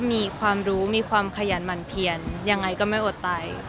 มีความรู้มีความขยันหมั่นเพียนยังไงก็ไม่อดตาย